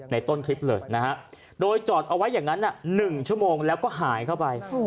ต้นคลิปเลยนะฮะโดยจอดเอาไว้อย่างนั้น๑ชั่วโมงแล้วก็หายเข้าไป